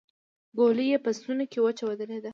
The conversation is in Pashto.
ګولۍ يې په ستونې کې وچه ودرېده.